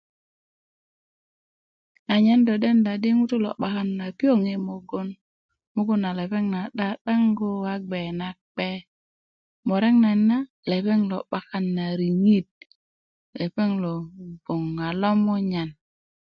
anyen do denda di ŋutu lo 'bakan piöŋ i mugun mugun na lepeŋ na 'da'dangu a bge nakpe murek nayit na lepeŋ lo 'bakan na riŋit lepeŋ lo bgwöŋ a lomuyan